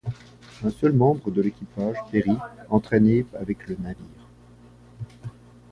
Un seul membre de l'équipage périt, entraîné avec le navire.